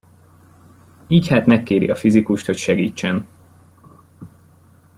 Így hát megkéri a fizikust, hogy segítsen.